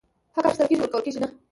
حق اخيستل کيږي، ورکول کيږي نه !!